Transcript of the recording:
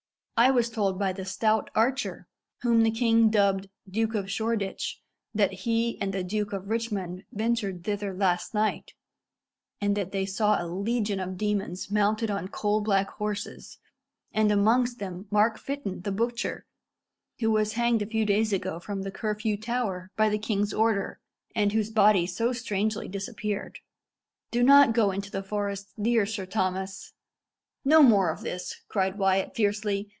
"I was told by the stout archer, whom the king dubbed Duke of Shoreditch, that he and the Duke of Richmond ventured thither last night, and that they saw a legion of demons mounted on coal black horses, and amongst them Mark Fytton, the butcher, who was hanged a few days ago from the Curfew Tower by the king's order, and whose body so strangely disappeared. Do not go into the forest, dear Sir Thomas!" "No more of this!" cried Wyat fiercely.